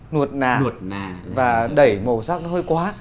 nuột nà và đẩy màu sắc nó hơi quá